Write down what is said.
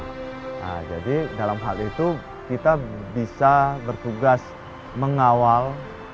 nah jadi dalam hal itu kita bisa bertugas mengawal